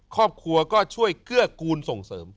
ครอบครัวก็ช่วยเกื้อกูลส่งเสริม